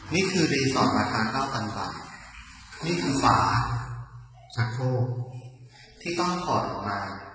นี่คือแบบนี่คือดีซอร์ตมาทางเก้าคันฝ่ายนี่คือฟ้าหักโภคที่ต้องคอดออกมา